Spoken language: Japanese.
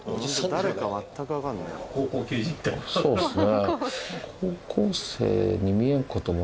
そうっすね。